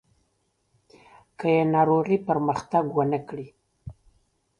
که یې ناروغي پرمختګ ونه کړي.